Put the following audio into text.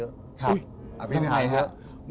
อุ๊ยทำไงครับ